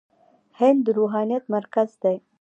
هند د روحانيت مرکز دی.